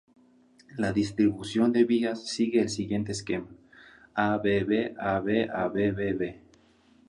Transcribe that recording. La distribución de vías sigue el siguiente esquema: a-v-v-a-v-a-v-v-v.